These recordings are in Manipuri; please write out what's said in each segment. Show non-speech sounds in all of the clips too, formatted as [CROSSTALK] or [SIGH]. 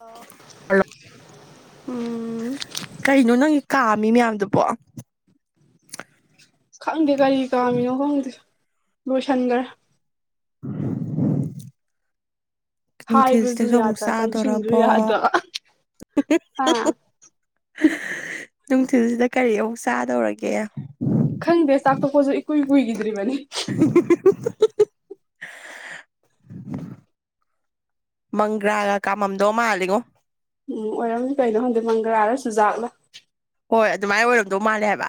ꯑ ꯍꯜꯂꯣ ꯀꯩꯅꯣ ꯅꯪꯒꯤ ꯀꯥꯝꯃꯤ ꯃꯌꯥꯝꯗꯨꯕꯣ ꯈꯪꯗꯦ ꯀꯔꯤ ꯀꯥꯝꯃꯤꯅꯣ ꯈꯪꯗꯦ ꯂꯣꯏꯁꯟꯈ꯭ꯔꯦ [INAUDIBLE] ꯍꯥꯏꯕꯁꯨ ꯅꯨꯡꯊꯤꯜꯁꯤꯗꯁꯨ ꯑꯃꯨꯛ ꯌꯥꯗ ꯆꯪꯁꯤꯟꯁꯨ ꯆꯥꯗꯔꯕꯣ ꯌꯥꯗ ꯑꯥ ꯅꯨꯡꯊꯤꯜꯁꯤꯗ ꯀꯔꯤ ꯑꯃꯨꯛ ꯆꯥꯗꯧꯔꯒꯦ ꯈꯪꯗꯦ ꯆꯥꯛ ꯊꯣꯛꯄꯁꯨ ꯏꯀꯨꯏ ꯀꯨꯏꯈꯤꯗ꯭ꯔꯤꯕꯅꯤ [INAUDIBLE] ꯃꯪꯒ꯭ꯔꯥꯒ ꯀꯥꯝꯃꯝꯗꯧ ꯃꯥꯜꯂꯤꯉꯣ ꯎꯝ ꯑꯣꯏꯔꯝꯁꯨ ꯀꯩꯅꯣ ꯍꯧꯟꯗꯛ ꯃꯪꯒ꯭ꯔꯥꯔ ꯆꯨꯖꯥꯛꯂꯣ ꯍꯣꯏ ꯑꯗꯨꯃꯥꯏꯅ ꯑꯣꯏꯔꯝꯗꯧ ꯃꯥꯜꯂꯦ ꯍꯥꯏꯕ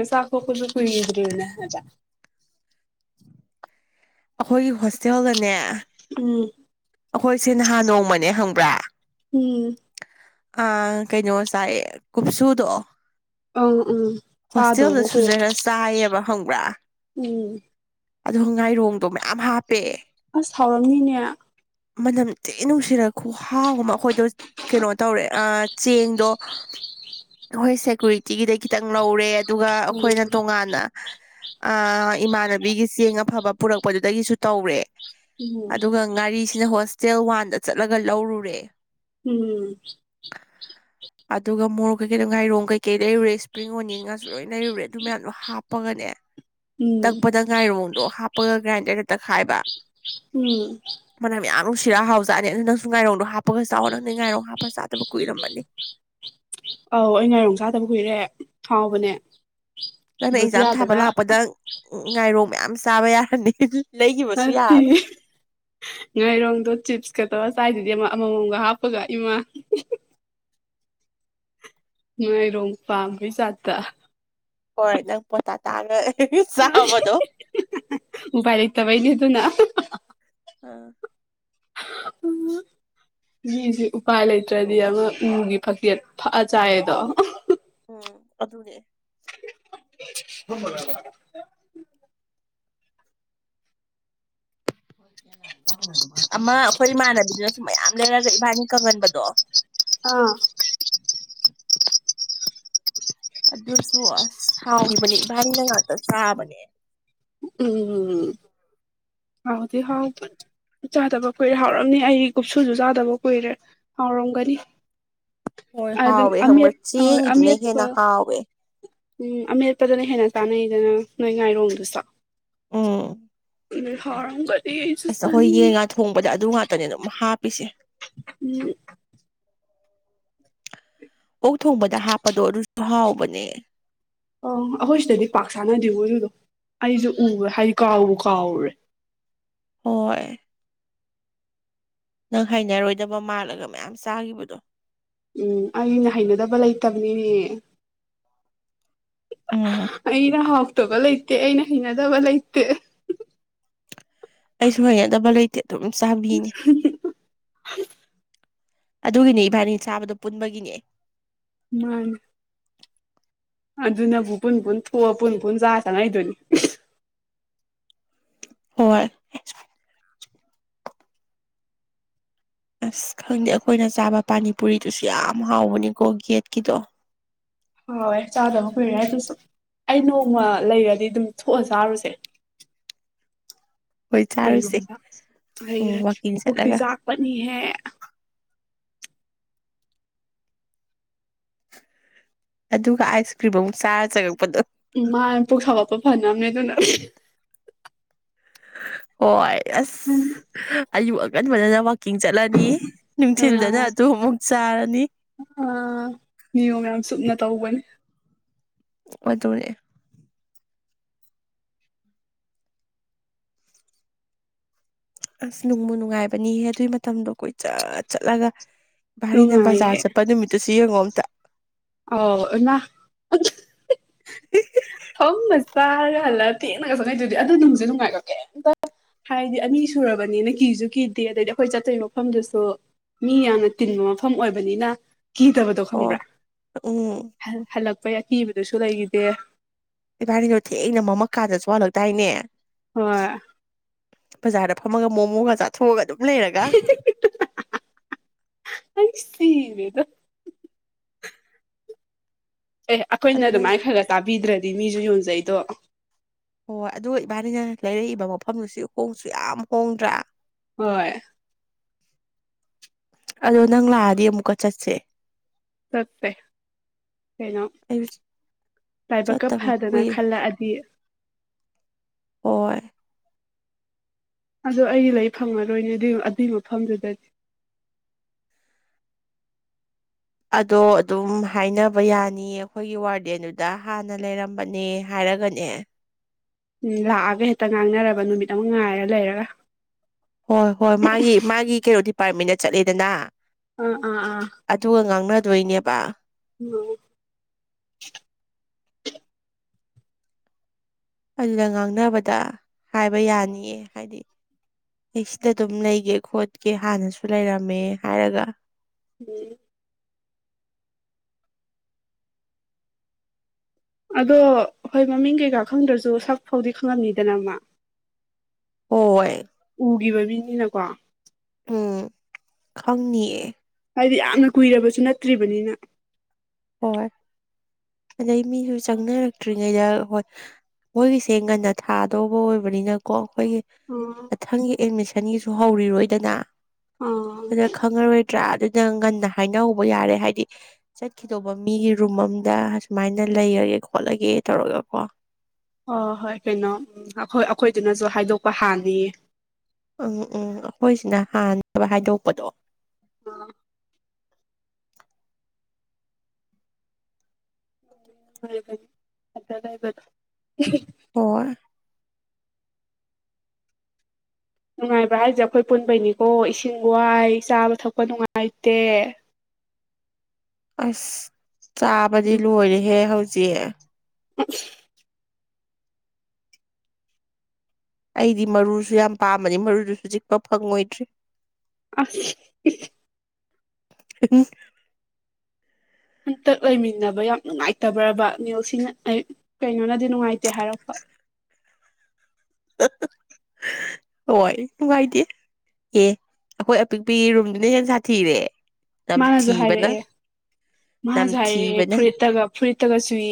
ꯎ ꯁꯥꯈꯣꯛ ꯀꯁꯨ ꯀꯔꯤꯗ꯭ꯔꯔꯤꯅꯦ ꯍꯖ ꯑꯩꯈꯣꯏꯒꯤ ꯍꯣꯁꯇꯦꯜꯗꯅꯦ ꯎꯝ ꯑꯩꯈꯣꯏꯁꯦ ꯅꯍꯥꯟ ꯅꯣꯡꯃꯅꯦ ꯍꯪꯕ꯭ꯔꯥ ꯎꯝ ꯑ ꯀꯩꯅꯣ ꯁꯥꯏ ꯀꯨꯞꯁꯨꯗꯣ ꯑꯪ ꯎꯝ ꯍꯣꯁꯇꯦꯜꯗ ꯆꯥꯗꯕꯕꯨ ꯀꯨꯏꯔꯦ ꯁꯨꯖꯔ ꯆꯥꯏꯕ ꯍꯪꯕ꯭ꯔꯥ ꯎꯝ ꯑꯗꯣ ꯉꯥꯏꯔꯣꯡꯗꯣ ꯃꯌꯥꯝ ꯍꯥꯞꯄꯦꯦ ꯑꯁ ꯁꯥꯎꯔꯝꯃꯤꯅꯦ ꯃꯅꯝ ꯆꯤ ꯅꯨꯡꯁꯤꯔ ꯈꯨꯍꯥꯎꯒꯨꯝꯕ ꯑꯩꯈꯣꯏꯗꯣ ꯀꯩꯅꯣ ꯇꯧꯔꯦ ꯆꯦꯡꯗꯣ ꯑꯩꯣꯏ ꯁꯦꯀ꯭ꯌꯨꯔꯤꯇꯤꯒꯤꯗꯩ ꯈꯤꯇꯪ ꯂꯧꯔꯦ ꯑꯗꯨꯒ ꯑꯩꯈꯣꯏꯅ ꯎꯝ ꯇꯣꯉꯥꯟꯅ ꯑ ꯏꯃꯥꯟꯅꯕꯤꯒꯤ ꯆꯦꯡ ꯑꯐꯕ ꯄꯨꯔꯛꯄꯗꯨꯗꯒꯤꯁꯨ ꯇꯧꯔꯦ ꯎꯝ ꯑꯗꯨꯒ ꯉꯥꯔꯤꯁꯤꯅ ꯍꯣꯁꯇꯦꯜ ꯋꯥꯟꯗ ꯆꯠꯂꯒ ꯂꯧꯔꯨꯔꯦ ꯎꯝ ꯑꯗꯨꯒ ꯃꯣꯔꯣꯛ ꯀꯩꯀꯩꯗꯣ ꯉꯥꯏꯔꯣꯡ ꯀꯩꯀꯩ ꯂꯩꯔꯨꯔꯦ ꯏꯁꯄ꯭ꯔꯤꯡ ꯑꯣꯅꯤꯌꯟꯒꯥꯁꯨ ꯂꯣꯏꯅ ꯂꯩꯔꯨꯔꯦ ꯑꯗꯨ ꯃꯌꯥꯝꯗꯣ ꯍꯥꯞ ꯍꯥꯞꯄꯒꯅꯦ ꯎꯝ ꯇꯛꯄꯗ ꯉꯥꯏꯔꯣꯡꯗꯣ ꯍꯥꯞꯄꯒ ꯒ꯭ꯔꯥꯏꯟꯗꯔꯗ ꯇꯛꯈꯥꯏꯕ ꯎꯝ ꯃꯅꯝ ꯌꯥꯝꯅꯨꯡ ꯁꯤꯔ ꯍꯥꯎꯖꯥꯅꯤ ꯑꯗꯨꯅ ꯅꯪꯁꯨ ꯉꯥꯏꯔꯣꯡꯗꯣ ꯍꯥꯞꯄꯒ ꯆꯥꯎꯋꯑꯣ ꯅꯪ ꯅꯪ ꯉꯥꯏꯔꯣꯡ ꯍꯥꯞꯄ ꯆꯥꯕ ꯀꯏꯔꯝꯕꯅꯤ ꯑꯧ ꯑꯩ ꯉꯥꯏꯔꯣꯡ ꯆꯥꯗꯕ ꯀꯨꯏꯔꯦ ꯍꯥꯎꯕꯅꯦ ꯉꯅꯩ ꯌꯦꯟꯖꯥ ꯊꯥꯕ ꯕꯨꯖꯤꯌꯥꯗꯒ ꯂꯥꯛꯄꯗ ꯎ ꯉꯥꯏꯔꯣ ꯃꯌꯥꯝ ꯆꯥꯕ ꯌꯥꯔꯅꯤ ꯐ ꯂꯩꯈꯤꯕꯁꯨ ꯌꯥꯔꯅꯤ ꯉꯥꯏꯔꯣꯡꯗꯣ ꯆꯤꯞꯁꯀ ꯇꯧ ꯆꯥꯏꯁꯤꯗꯤ ꯑꯃ ꯑꯃꯃꯝꯒ ꯍꯥꯞꯄꯒ ꯏꯃꯥ ꯅꯥꯏꯔꯣꯡ ꯄꯥꯝꯕꯩ ꯆꯥꯠꯇ ꯍꯣꯏ ꯅꯪ ꯄꯣꯇꯥ ꯇꯥꯒ ꯁꯥꯕꯗꯣ ꯄꯥꯏ ꯂꯩꯇꯕꯩꯅꯦ ꯑꯗꯨꯅ ꯑꯥ [INAUDIBLE] ꯃꯤꯁꯤ ꯎꯄꯥꯏ ꯂꯩꯇ꯭ꯔꯗꯤ ꯑꯃ ꯎꯒꯤ ꯐꯛꯆꯦꯠ ꯐꯛꯑ ꯆꯥꯏꯌꯦꯗꯣ ꯎꯝ ꯑꯗꯨꯅꯦ ꯐꯝꯃꯔꫭꯏ ꯍꯥꯏꯕ [UNINTELLIGIBLE] ꯑꯃ ꯑꯩꯈꯣꯏ ꯏꯃꯥꯟꯅꯕꯤꯗꯨꯅꯁꯨꯨꯝ ꯃꯌꯥꯝ ꯂꯩꯔꯒ ꯏꯕꯥꯅꯤ ꯀꯪꯍꯟꯕꯗꯣ ꯑꯥ ꯑꯗꯨꯁꯨ ꯑꯁ ꯁꯥꯎꯈꯤꯕꯅꯦ ꯏꯕꯥꯅꯤꯅ ꯉꯥꯛꯇ ꯆꯥꯕꯅꯦ ꯎꯝ ꯍꯥꯎꯗꯤ ꯍꯥꯎꯕꯅꯦ ꯆꯥꯗꯕ ꯀꯨꯏꯔꯦ ꯍꯥꯎꯔꯝꯅꯤ ꯑꯩ ꯀꯨꯞꯁꯨꯁꯨ ꯆꯥꯗꯕ ꯀꯨꯏꯔꯦ ꯍꯥꯎꯔꯝꯒꯅꯤ ꯍꯣꯏ ꯑꯗ ꯍꯥꯎꯋꯦ ꯈꯪꯕ꯭ꯔꯥ ꯑꯃꯦꯠ ꯑꯥ ꯆꯦꯡꯒꯤꯗꯨꯅ ꯑꯃꯦꯠꯄ ꯍꯦꯟꯅ ꯍꯥꯎꯋꯦ ꯎꯝ ꯑꯃꯦꯠꯄꯗꯨꯅ ꯍꯦꯟꯅ ꯆꯥꯅꯩꯗꯅ ꯅꯣꯏ ꯉꯥꯏꯔꯣꯡꯗꯨꯁꯨ ꯎꯝ ꯎ ꯍꯥꯎꯔꯝꯒꯅꯤ ꯑꯩꯁꯨ ꯆꯥꯅꯤꯡ ꯑꯦ ꯊꫭꯡꯕꯗ ꯑꯗꯨ ꯉꯥꯛꯇꯅꯦ ꯑꯗꯨꯝ ꯍꯥꯞꯄꯤꯁꯦ ꯎꯝ ꯑꯣꯛ ꯊꯣꯡꯕꯗ ꯍꯥꯞꯄꯗꯣ ꯑꯗꯨꯁꯨ ꯍꯥꯎꯕꯅꯦ ꯑ ꯑꯩꯈꯣꯏ ꯁꯤꯗꯗꯤ ꯄꯥꯛ ꯆꯥꯅꯗꯦꯕꯣ ꯑꯗꯨꯗꯣ ꯑꯩꯁꯨ ꯎꯔꯦ ꯍꯥꯏꯗꯤ ꯀꯥꯎꯕꯨ ꯀꯥꯎꯔꯨꯔꯦ ꯍꯣꯏ ꯅꯪ ꯍꯥꯏꯅꯔꯣꯏꯗꯕ ꯃꯥꯜꯂꯒ ꯃꯌꯥꯝ ꯆꯥꯈꯤꯕꯗꯣ ꯎꯝ ꯑꯩꯅ ꯍꯩꯅꯗꯕ ꯂꯩꯇꯕꯅꯤꯅꯦ ꯎꯝ ꯑꯩꯅ ꯍꯥꯎꯇꯕ ꯂꯩꯇꯦ ꯑꯩꯅ ꯍꯩꯅꯗꯕ ꯂꯩꯇꯦ ꯑꯩꯁꯨ ꯍꯩꯅꯗꯕ ꯂꯩꯇꯦ ꯑꯗꯨꯝ ꯆꯥꯕꯤꯅꯦ ꯑꯗꯨꯒꯤꯅꯦ ꯏꯕꯥꯅꯤ ꯆꯥꯕꯗꯥ ꯄꯨꯟꯕꯒꯤꯅꯦ ꯃꯥꯅꯤ ꯑꯗꯨꯅꯕꯨ ꯄꯨꯨꯟ ꯄꯨꯨꯟ ꯊꯣꯛꯑ ꯄꯨꯟ ꯄꯨꯟ ꯆꯥ ꯆꯪꯉꯥꯛꯏꯗꯨꯅꯤ ꯍꯣꯏ ꯑꯁ ꯈꯪꯗꯦ ꯑꯩꯈꯣꯏꯅ ꯆꯥꯕ ꯄꯥꯅꯤꯄꯨꯔꯤꯗꯨꯁꯨ ꯌꯥꯝ ꯍꯥꯎꯕꯅꯤꯀꯣ ꯒꯦꯠꯀꯤꯗꯣ ꯍꫭꯏ ꯆꯥꯗꯕ ꯀꯨꯏꯔꯦ ꯑꯗꯨꯁꯨ ꯑꯩ ꯅꯣꯡꯃ ꯂꯩꯔꯗꯤ ꯑꯗꯨꯝ ꯊꯣꯛꯑ ꯆꯥꯔꯨꯁꯦ ꯍꯣꯏ ꯆꯥꯔꯨꯁꯦ ꯀꯩꯒꯨꯝꯕ ꯎꯝ ꯂꯩꯩꯔꯗꯤ ꯋꯥꯛꯀꯤꯡ ꯄꯨꯛꯇꯤ ꯆꯠꯂꯒ ꯆꯥꯛꯄꯅꯤꯍꯦ ꯑꯗꯨꯒ ꯑꯥꯏꯁ ꯀ꯭ꯔꯤꯝ ꯑꯃꯨꯛ ꯆꯥꯔ ꯆꯪꯉꯛꯄꯗꯣ ꯎ ꯃꯥꯅꯦ ꯄꯨꯛ ꯁꯥꯒꯠꯄ ꯐꯅꯕꯅꯦ ꯑꯗꯨꯅ ꯍꯣꯏ ꯑꯁ ꯑꯩꯕꯨ ꯑꯀꯟꯕꯅ ꯅꯃꯥꯛ ꯀꯤꯡ ꯆꯠꯂꯅꯤ ꯅꯨꯡꯊꯤꯜꯗꯅ ꯑꯥ ꯑꯗꯨ ꯑꯃꯨꯛ ꯆꯥꯔꯅꯤ ꯑꯥ ꯅꯤꯌꯣ ꯌꯥꯝ ꯆꯨꯝꯅ ꯇꯧꯕꯅꯤ ꯑꯗꯨꯅꯦ ꯑꯁ ꯅꯨꯡꯕꯨ ꯅꯨꯡꯉꯥꯏꯕꯅꯤꯍꯦ ꯑꯗꯨꯒꯤ ꯃꯇꯝꯗꯣ ꯀꯣꯏ ꯆꯠ ꯆꯠꯂꯒ ꯚꯥꯔꯤꯅ ꯅꯨꯡꯉꯥꯏꯌꯦ ꯕꯖꯥꯔ ꯆꯠꯄ ꯅꯨꯃꯤꯠꯇꯨꯁꯨ ꯌꯦꯡꯉꯣꯝꯇ ꯑꯥꯎ ꯑꫭꯏ ꯏꯃꯥ ꯐꯝꯃ ꯆꯥꯔ ꯍꯜꯂꯥꯛꯑꯒ ꯊꯦꯡꯅꯒꯆꯪꯉꯥꯛꯏꯗꯨꯗꯤ ꯑꯗꯨ ꯅꯨꯡꯁꯦ ꯅꯨꯡꯉꯥꯏꯀꫭ ꯀꯩꯝꯇ ꯍꯥꯏꯗꯤ ꯑꯅꯤ ꯁꯨꯔꯕꯅꯤꯅ ꯀꯤꯁꯨ ꯀꯤꯗꯦ ꯑꯗꯩꯗꯤ ꯑꯩꯈꯣꯏ ꯆꯠꯇꯣꯏ ꯃꯐꯝꯗꯨꯁꯨ ꯃꯤ ꯌꯥꯝꯅ ꯇꯤꯟꯕ ꯃꯐꯝ ꯑꯣꯏꯕꯅꯤꯅ ꯀꯤꯗꯕꯗꯣ ꯍꯣꯏ ꯈꯪꯕ꯭ꯔꯥ ꯎꯝ ꯍꯜꯂꯛꯄꯩ ꯑꯀꯤꯕꯗꯨꯁꯨ ꯂꯩꯈꯤꯗꯦ ꯏꯕꯥꯅꯤꯗꯣ ꯊꯦꯡꯅ ꯃꯃꯥꯛ ꯀꯟꯗꯁꯨ ꯍꯜꯂꯛꯇꯥꯏꯅꯦ ꯍꯣꯏ ꯕꯖꯥꯔꯗ ꯐꯝꯃꯒ ꯃꯣꯃꯣꯒ ꯆꯥꯊꯣꯛꯑꯒ ꯑꯗꯨꯝ ꯂꯩꯔꯒ ꯑꯩ ꯁꯤꯔꯦꯗ ꯑꯦ ꯑꯩꯈꯣꯏꯅ ꯑꯗꯣ ꯅꯪ ꯑꯗꯨꯃꯥꯏꯅ ꯈꯔ ꯈꯔ ꯆꯕꯤꯗ꯭ꯔꯗꯤ ꯃꯤꯁꯨ ꯌꯣꯟꯖꯩꯗꯣ ꯍꯣꯏ ꯑꯗꯨꯒ ꯏꯕꯥꯅꯤꯅ ꯂꯩꯔꯛꯏꯕ ꯃꯐꯝꯗꯨꯁꯨ ꯍꯣꯡꯁꯨ ꯌꯥꯝ ꯍꯣꯡꯗ꯭ꯔꯥ ꯍꯣꯏ ꯑꯗꯣ ꯅꯪ ꯂꯥꯛꯑꯗꯤ ꯑꯃꯨꯛꯀ ꯆꯠꯁꯦ ꯆꯄꯦ ꯀꯩꯅꯣ ꯑꯩ ꯂꯥꯏꯕꯛꯀ ꯆꯠꯇꯕ ꯐꯗꯅ ꯀꯨꯏꯔꯦ ꯈꯜꯂꯛꯑꯗꯤ ꯑꯣ ꯑꯗ ꯑꯩꯒꯤ ꯂꯩ ꯐꯪꯉꯔꯣꯏꯅꯦ ꯑꯗꯨ ꯑꯗꯨꯏ ꯃꯐꯝꯗꯨꯗꯗꯤ ꯑꯗꯣ ꯑꯗꯨꯝ ꯍꯥꯏꯅꯕ ꯌꯥꯅꯤꯌꯦ ꯑꯩꯈꯣꯏꯒꯤ ꯋꯥꯔꯗꯦꯟꯗꯨꯗ ꯍꯥꯟꯅ ꯂꯩꯔꯝꯕꯅꯦ ꯍꯥꯏꯔꯒꯅꯦ ꯎꯝ ꯂꯥꯛꯑꯒ ꯍꯦꯛꯇ ꯉꯥꯡꯅꯔꯕ ꯅꯨꯃꯤꯠ ꯑꯃ ꯉꯥꯏꯔ ꯂꯩꯔꯒ ꯍꯣꯏ ꯍꯣꯏ ꯃꯥꯒꯤ ꯃꯥꯒꯤ ꯀꯩꯅꯣ ꯗꯤꯄꯥꯔꯠꯃꯦꯟꯗ ꯆꯠꯂꯦꯗꯅ ꯎꯝ ꯎꯝ ꯎꯥ ꯑꯗꯨꯒ ꯉꯥꯡꯅꯗꯣꯏꯅꯦꯕ ꯎꯝ ꯑꯗꯨꯗ ꯉꯥꯡꯅꯕꯗ ꯍꯥꯏꯕ ꯌꯥꯅꯤꯌꯦ ꯍꯥꯏꯗꯤ ꯑꯩ ꯁꯤꯗ ꯑꯗꯨꯝ ꯂꯩꯒꯦ ꯈꯣꯠꯀꯦ ꯍꯥꯟꯅꯁꯨ ꯂꯩꯔꯝꯃꯦ ꯍꯥꯏꯔꯒ ꯎꯝ ꯑꯗꯣ ꯍꯣꯏ ꯃꯃꯤꯡ ꯀꯩꯀꯥ ꯈꯪꯗ꯭ꯔꯁꯨ ꯁꯛ ꯐꯥꯎꯗꯤ ꯈꯪꯉꯝꯅꯤꯗꯅꯃ ꯍꯣꯏ ꯎꯒꯤꯈꯤꯕ ꯃꯤꯅꯤꯅꯀꯣ ꯎꯝ ꯈꯪꯅꯤꯌꯦ ꯍꯥꯏꯗꯤ ꯌꯥꯝꯅ ꯀꯨꯏꯔꯕꯁꯨ ꯅꯠꯇ꯭ꯔꯤꯕꯅꯤꯅ ꯍꯣꯏ ꯑꯗꯩ ꯃꯤꯁꯨ ꯆꯪꯅꯔꯛꯇ꯭ꯔꯤꯉꯩꯗ ꯍꯣꯏ ꯃꯣꯏꯒꯤꯁꯦ ꯉꯟꯅ ꯊꯥꯗꯧꯕ ꯑꯣꯏꯕꯅꯤꯅꯀꯣ ꯑꯩꯈꯣꯏꯒꯤ ꯑꯣ ꯃꯊꯪꯒꯤ ꯑꯦꯗꯃꯤꯁꯟꯒꯤꯁꯨ ꯍꯧꯔꯤꯔꯣꯏꯗꯅ ꯑ ꯐꯖ ꯈꯪꯉꯔꯣꯏ ꯇ꯭ꯔ ꯑꯗꯨꯗ ꯉꯟꯅ ꯍꯥꯏꯅꯍꯧꯕ ꯌꯥꯔꯦ ꯍꯥꯏꯗꯤ ꯀꯩꯗꯧꯕ ꯃꯤꯒꯤ ꯔꯨꯝ ꯑꯝꯗ ꯑꯨꯃꯥꯏꯅ ꯂꯩꯔꯒꯦ ꯈꯣꯠꯂꯒꯦ ꯇꯧꯔꯒ ꯀꯣ ꯑꯣ ꯍꯣꯏ ꯀꯩꯅꯣ ꯎꯝ ꯑꯩꯈꯣꯏ ꯑꯩꯈꯣꯏꯗꯨꯅꯁꯨ ꯍꯥꯏꯗꯣꯛꯄ ꯍꯅꯤꯌꯦ ꯎꯝ ꯎꯝ ꯑꯩꯈꯣꯏꯁꯤꯅ ꯍꯥꯟꯅꯕ ꯍꯥꯏꯗꯣꯛꯄꯗꯣ ꯑ ꯗꯕ ꯑꯣ ꯅꯨꯡꯉꯥꯏꯕ ꯍꯥꯏꯁꯦ ꯑꯩꯈꯣꯏ ꯄꯨꯟꯕꯩꯅꯤꯀꯣ ꯏꯁꯤꯡ ꯋꯥꯏ ꯆꯥꯕ ꯊꯛꯄ ꯅꯨꯡꯉꯥꯏꯇꯦ ꯑꯁ ꯆꯥꯕꯗꯤ ꯂꯣꯏꯔꯦꯍꯦ ꯍꯧꯖꯤꯛ ꯑ ꯑꯩꯗꯤ ꯃꯔꯨꯁꯨ ꯌꯥꯝ ꯄꯥꯝꯃꯅꯤ ꯃꯔꯨꯗꯨꯁꯨ ꯆꯤꯛꯄ ꯐꯪꯉꯣꯏꯗ꯭ꯔꯤ ꯑꯁ ꯑꯗꯨꯨꯝ ꯍꯟꯇꯛ ꯂꯩꯃꯤꯟꯅꯕ ꯌꯥꯝ ꯅꯨꯡꯉꯥꯏꯇꯕ꯭ꯔꯕ ꯅꯤꯜꯁꯤꯅ ꯑꯩ ꯀꯩꯅꯣꯅꯗꯤ ꯅꯨꯡꯉꯥꯏꯇꯦ ꯍꯥꯏꯔꯛꯄ ꯍ ꯍꯣꯏ ꯅꯨꯡꯉꯥꯏꯇꯦ ꯑꯦ ꯑꯩꯈꯣꯏ ꯑꯄꯤꯛꯄꯤꯒꯤ ꯔꯨꯝꯗꯨꯅ ꯌꯥꯝ ꯁꯥꯊꯤꯔꯦ ꯃꯥꯅꯁꯨ ꯅꯝꯊꯤꯕꯅ ꯍꯥꯏꯔꯛꯑꯦ ꯃꯥꯅꯁꯨ ꯍꯥꯏꯔꯛꯑꯦ ꯅꯝꯊꯤꯕꯅ ꯐꯨꯔꯤꯠꯇꯒ ꯐꯨꯔꯤꯠꯇꯒꯁꯨꯨꯏ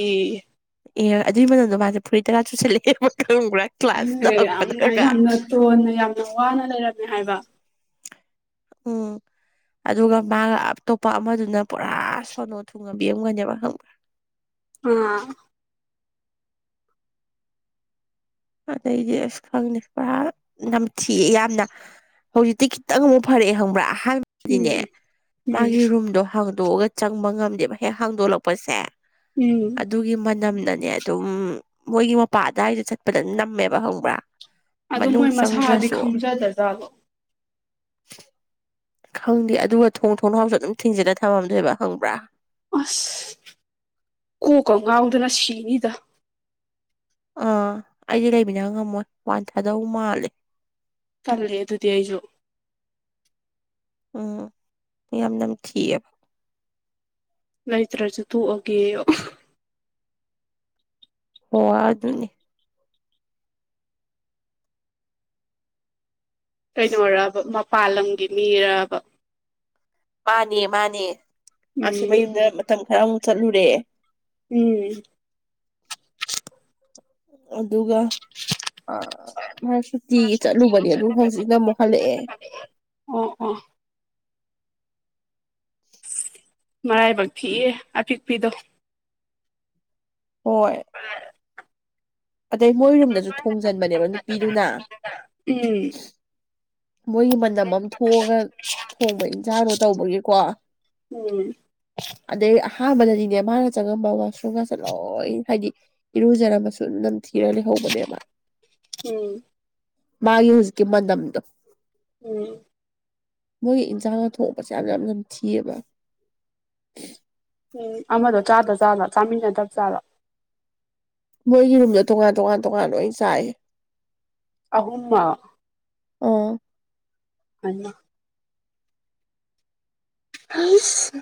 ꯑꯦ ꯑꯗꯨꯏ ꯃꯅꯨꯡꯗꯣ ꯃꯥꯁꯦ ꯐꯨꯔꯤ ꯇꯔꯥ ꯆꯨꯁꯜꯂꯛꯑꯦꯕ ꯈꯪꯕ꯭ꯔꯥ ꯀ꯭ꯂꯥꯁ ꯑꯦ ꯌꯥꯝꯅ ꯂꯥꯛꯄꯗꯒ ꯌꯥꯝꯅ ꯇꯣꯟꯅ ꯌꯥꯝꯅ ꯋꯥꯅ ꯂꯩꯔꯝꯃꯦ ꯍꯥꯏꯕ ꯑꯣꯝ ꯑꯗꯨꯒ ꯃꯥꯒ ꯑꯇꯣꯞꯄ ꯑꯃꯗꯨꯅ ꯄꯨꯔꯥ ꯁꯣꯟꯅꯣ ꯊꯨꯡꯉꯕꯤꯔꯝꯒꯅꯦꯕ ꯈꯪꯕ꯭ꯔꯥ ꯎꯝ ꯑꯗꯩꯗꯤ ꯑꯁ ꯈꯪꯉꯦ ꯄꯨꯔꯥ ꯅꯝꯊꯤ ꯌꯥꯝꯅ ꯍꯧꯖꯤꯛꯇꯤ ꯈꯤꯇꯪ ꯑꯃꯨꯛ ꯐꯔꯛꯑꯦ ꯍꯪꯕ꯭ꯔꯥ ꯑꯍꯥꯟꯕꯗꯤꯅꯦ ꯎꯝ ꯃꯥꯒꯤ ꯎꯝ ꯔꯨꯝꯗꯣ ꯍꯥꯡꯗꯣꯛꯑꯒ ꯆꯪꯕ ꯉꯝꯗꯦꯕ ꯍꯦꯛ ꯍꯥꯡꯗꯣꯛꯂꯛꯄꯁꯦ ꯎꯝ ꯑꯗꯨꯒꯤ ꯃꯅꯝꯗꯅꯦ ꯑꯗꯨꯝ ꯃꯣꯏꯒꯤ ꯃꯄꯥ ꯑꯗꯨꯗꯥꯋꯥꯏꯗ ꯆꯠꯄꯗ ꯅꯝꯃꯦꯕ ꯈꯪꯕ꯭ꯔꯥ꯫ ꯑꯗꯨ ꯃꯅꯨꯡ ꯃꯣꯏ ꯃꯁꯥꯗꯤ ꯆꯪꯗ꯭ꯔꯁꯨ ꯈꯪꯖꯗꯖꯥꯠꯂꯣ꯫ [INAUDIBLE] ꯈꯪꯗꯦ ꯑꯗꯨꯒ ꯊꯣꯡ ꯊꯣꯡ ꯍꯥꯎꯁꯨ ꯑꯗꯨꯝ ꯊꯤꯡꯖꯤꯜꯂ ꯊꯝꯃꯝꯗꯣꯏꯕ ꯈꯪꯕ꯭ꯔꯥ꯫ ꯑꯁ ꯀꯣꯛꯀ ꯉꯥꯎꯗꯅ ꯁꯤꯅꯤꯗ꯫ ꯑꯥ ꯑꯩꯗꯤ ꯂꯩꯕꯅ ꯉꯝꯃꯣꯏ ꯋꯥꯟ ꯊꯥꯗꯧ ꯃꯥꯜꯂꯦ꯫ ꯇꯜꯂꯦ ꯑꯗꯨꯗꯤ ꯑꯩꯁꯨ꯫ ꯎꯝ ꯌꯥꯝ ꯅꯝꯊꯤꯑꯕ꯫ ꯂꯩꯇ꯭ꯔꯁꯨ ꯇꯣꯛꯑꯒꯦꯌꯣ꯫ ꯑꯣ ꯑꯗꯨꯅꯤ꯫ ꯀꯩꯗꯧꯔꯕ ꯃꯄꯥꯜ ꯂꯝꯒꯤ ꯃꯤꯔꯕ꯫ ꯃꯥꯅꯦ ꯃꯥꯅꯦ ꯑꯁ ꯎꯝ ꯃꯌꯨꯝꯗ ꯃꯇꯝ ꯈꯔ ꯑꯃꯨꯛ ꯆꯠꯂꯨꯔꯦ꯫ ꯎꯝ꯫ ꯑꯗꯨꯒ ꯃꯥ ꯁꯨꯇꯤꯒꯤ ꯆꯠꯂꯨꯕꯅꯤ ꯑꯗꯨꯝ ꯍꯧꯖꯤꯛꯅ ꯑꯃꯨꯛ ꯍꯜꯂꯛꯑꯦ꯫ ꯑꯣ ꯑꯣ꯫ ꯃꯔꯥꯏꯕꯛ ꯊꯤꯑ ꯑꯄꯤꯛꯄꯤꯗꯣ꯫ ꯍꯣꯏ꯫ ꯑꯣ꯫ ꯑꯗꯩ ꯃꯣꯏ ꯔꯨꯝꯗꯁꯨ ꯊꯣꯡꯖꯟꯕꯅꯦꯕ ꯅꯨꯄꯤꯗꯨꯅ꯫ ꯎꯝ꯫ ꯃꯣꯏꯒꯤ ꯃꯅꯝ ꯑꯃ ꯊꯣꯛꯑꯒ ꯊꯣꯡꯕ ꯏꯟꯁꯥꯡꯅꯣ ꯇꯧꯕꯒꯤꯀꯣ꯫ ꯎꯝ ꯑꯗꯩ ꯑꯍꯥꯟꯕꯗꯗꯤꯅꯦ ꯃꯥꯅ ꯆꯪꯉꯝꯕ ꯋꯥꯁꯔꯨꯝꯒꯁꯦ ꯂꯣꯏ ꯍꯥꯏꯗꯤ꯫ ꯏꯔꯨꯖꯔ ꯃꯁꯨ ꯅꯝ ꯊꯤꯔ ꯂꯩ꯫ ꯍꯧꯕꯅꯦꯕ ꯎꯝ ꯃꯥꯒꯤ ꯍꯧꯖꯤꯛꯀꯤ ꯃꯅꯝꯗꯣ꯫ ꯎꯝ꯫ ꯃꯣꯏꯒꯤ ꯏꯟꯁꯥꯡꯅ ꯊꯣꯛꯣꯡꯄꯁꯦ ꯌꯥꯝ ꯌꯥꯝ ꯅꯝꯊꯤꯑꯕ꯫ ꯎꯝ ꯑꯃꯗꯣ ꯆꯥꯗꯖꯠꯂꯣ ꯆꯥꯃꯤꯟꯅꯗꯕ ꯆꯥꯠꯂꯣ꯫ ꯃꯣꯏꯒꯤ ꯔꯨꯝꯗ ꯇꯣꯉꯥꯟ ꯇꯣꯉꯥꯟ ꯇꯣꯉꯥꯟ ꯂꯣꯏ ꯆꯥꯏꯑ꯫ ꯑꯍꯨꯝꯃꯛ꯫ ꯑꯥ ꯂꯣꯏꯅꯃꯛ꯫ ꯑꯥꯁ꯫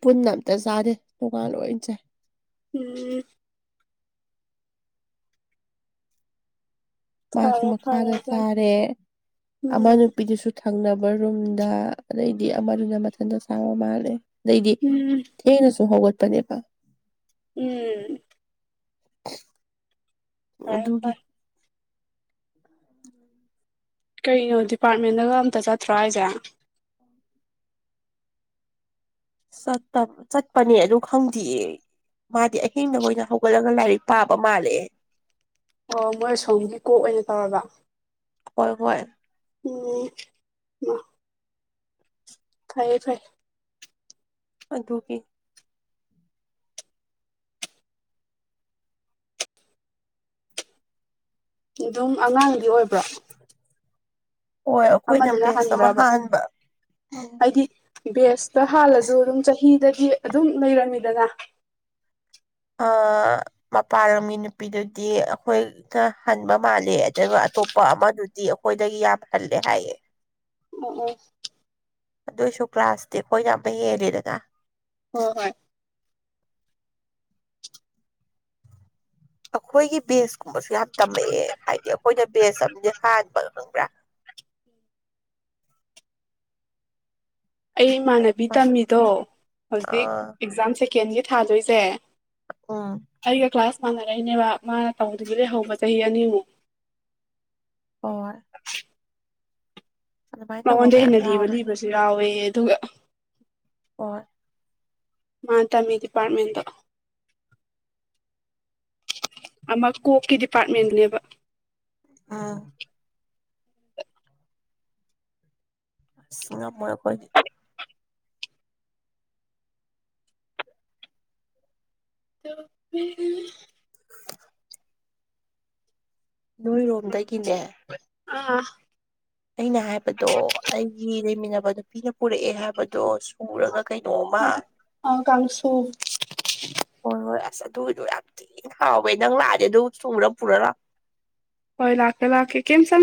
ꯄꯨꯟꯅ ꯑꯝꯇ ꯆꯥꯗꯦ ꯇꯣꯉꯥꯟ ꯂꯣꯏ ꯆꯥꯏ꯫ ꯎꯝ꯫ ꯃꯥꯁꯨ ꯐꯔꯦ ꯐꯔꯦ ꯃꯈꯥꯗ ꯑꯗꯨꯅ ꯆꯥꯔꯦ ꯑꯃ ꯎꯝ ꯅꯨꯄꯤꯗꯨꯁꯨ꯫ ꯊꯪꯅꯕ ꯔꯨꯝꯗ ꯑꯗꯩꯗꯤ ꯑꯃꯗꯨꯅ ꯃꯊꯟꯇ ꯆꯥꯡꯕ ꯃꯥꯜꯂꯦ ꯑꯗꯩꯗꯤ꯫ ꯎꯝ ꯊꯦꯡꯅꯁꯨꯨꯝ ꯍꯧꯒꯠꯄꯅꯦꯕ꯫ ꯎꯝ꯫ ꯐꯔꯦ ꯑꯗꯨꯒꯤ ꯐꯔꯦ꯫ ꯀꯩꯅꯣ ꯗꯤꯄꯥꯔꯠꯃꯦꯟꯗꯒ ꯑꯝꯇ ꯆꯠꯇ꯭ꯔꯣ ꯍꯥꯏꯁꯦ꯫ ꯆꯠꯄꯅꯤ ꯑꯗꯨ ꯈꯪꯗꯤꯌꯦ꯫ ꯃꯥꯗꯤ ꯑꯍꯤꯡꯗ ꯑꯣꯏꯅ ꯍꯧꯒꯠꯂꯒ ꯂꯥꯏꯔꯤꯛ ꯄꯥꯕ ꯃꯥꯜꯂꯦ꯫ ꯑꯣ ꯃꯣꯏ ꯑꯁꯣꯝꯒꯤ ꯀꯣꯛ ꯑꯣꯏꯅ ꯇꯧꯔꯕ꯫ ꯇꯧꯔꯝꯃꯣꯏ꯫ ꯎꯝ꯫ ꯐꯥꯏꯌꯦ ꯐꯥꯏ꯫ ꯑꯗꯨꯒꯤ꯫ ꯑꯗꯨꯝ ꯑꯉꯥꯡꯗꯤ ꯑꯣꯏꯕ꯭ꯔꯥ꯫ ꯍꯣꯏ ꯑꯩꯈꯣꯏꯅ ꯑꯃꯗꯨꯅ ꯕꯦꯁ ꯑꯃ ꯍꯥꯟꯕ꯭ꯔꯕ꯫ ꯍꯥꯟꯕ ꯍꯥꯏꯗꯤ ꯕꯦꯁꯇ ꯍꯥꯜꯂꯁꯨ ꯑꯗꯨꯝ ꯆꯍꯤꯗꯗꯤ ꯑꯗꯨꯝ ꯂꯩꯔꯝꯃꯤꯗꯅ꯫ ꯃꯄꯥꯥꯟ ꯂꯝꯒꯤ ꯅꯨꯄꯤꯗꯨꯗꯤ ꯑꯩꯈꯣꯏ꯫ ꯛꯇ ꯍꯟꯕ ꯃꯥꯜꯂꯦ ꯑꯗꯨꯒ ꯑꯇꯣꯞꯄ ꯑꯃꯗꯨꯗꯤ ꯑꯩꯈꯣꯏꯗꯒꯤ ꯌꯥꯝ ꯍꯜꯂꯦ ꯍꯥꯏꯌꯦ ꯑꯣ ꯑꯣ ꯑꯗꯨꯏꯁꯨ ꯀ꯭ꯂꯥꯁꯇꯤ ꯑꯩꯈꯣꯏꯅ ꯑꯃ ꯍꯦꯜꯂꯦꯗꯅ ꯍꯣꯏ ꯍꯣꯏ ꯑꯩꯈꯣꯏꯒꯤ ꯕꯦꯟꯁ ꯀꯨꯝꯕꯁꯨ ꯌꯥꯝ ꯇꯝꯃꯛꯑꯦ ꯍꯥꯏꯗꯤ ꯑꯩꯈꯣꯏꯅ ꯕꯦꯟꯁ ꯑ ꯍꯥꯟꯕ ꯈꯪꯕ꯭ꯔꯥ ꯑꯩ ꯏꯃꯥꯟꯅꯕꯤ ꯑꯗꯨꯃꯥꯏꯅ ꯇꯝꯃꯤꯗꯣ ꯍꯧꯖꯤꯛ ꯑꯥ ꯑꯦꯛꯖꯥꯝ ꯁꯦꯀꯦꯟꯒꯤ ꯊꯥꯗꯣꯏꯁꯦ ꯎꯝ ꯑꯩꯒ ꯀ꯭ꯂꯥꯁ ꯃꯥꯟꯅꯔꯛꯏꯅꯦꯕ ꯃꯥꯅ ꯇꯧꯗ꯭ꯔꯤꯕꯗꯒꯤ ꯍꯧꯕ ꯆꯍꯤ ꯑꯅꯤꯃꯨꯛ ꯍ ꯇꯧꯕ ꯃꯉꯣꯟꯗ ꯃꯌꯥꯝ ꯍꯦꯟꯅ ꯂꯤꯕ ꯌꯥꯎꯋꯦ ꯂꯤꯕꯁꯨ ꯌꯥꯎꯋꯦ ꯑꯗꯨꯒ ꯑꯣ ꯃꯥ ꯇꯝ ꯗꯤꯄꯥꯔꯠꯃꯦꯟꯗꯣ ꯑꯃ ꯀꯣꯛꯀꯤ ꯗꯤꯄꯥꯔꯠꯃꯦꯟꯅꯦꯕ ꯑꯥ ꯉꯝꯃꯣꯏ ꯑꯩꯈꯣꯏꯗꯤ ꯑꯗꯨ ꯅꯣꯏꯔꯣꯝꯗꯒꯤꯅꯦ ꯑꯥ ꯑꯩꯅ ꯍꯥꯏꯕꯗꯣ ꯑꯩꯒꯤ ꯂꯩꯃꯤꯟꯅꯕꯗꯣ ꯄꯤꯅ ꯄꯨꯔꯛꯑꯦ ꯍꯥꯏꯕꯗꯣ ꯄꯨꯔꯒ ꯀꯩꯅꯣꯝꯃ ꯀꯥꯡꯁꯨ ꯍꯣꯏ ꯍꯣꯏ ꯑꯁ ꯑꯗꯨꯒꯤꯗꯣ ꯌꯥꯝ ꯊꯤꯅ ꯍꯥꯎꯋꯦ ꯅꯪ ꯂꯥꯛꯑꯗꯤ ꯑꯗꯨ ꯁꯨꯝꯔ ꯄꯨꯔ ꯂꯥꯛ ꯍꯣꯏ ꯂꯥꯛꯀꯦ ꯂꯥꯛꯀꯦ ꯀ ꯁꯝ